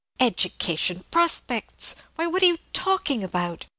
"Education, prospects, why, what are you talking about?